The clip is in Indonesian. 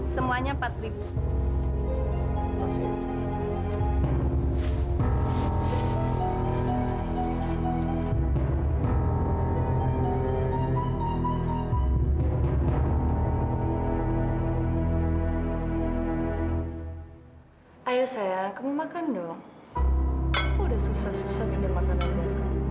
sampai jumpa di video selanjutnya